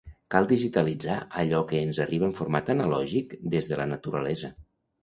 Cal digitalitzar allò que ens arriba en format analògic des de la naturalesa.